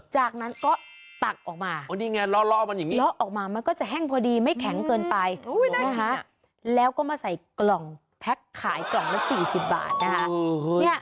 จากนั้นก็ตักออกมานี่ไงล้อมันอย่างนี้เลาะออกมามันก็จะแห้งพอดีไม่แข็งเกินไปนะคะแล้วก็มาใส่กล่องแพ็คขายกล่องละ๔๐บาทนะคะ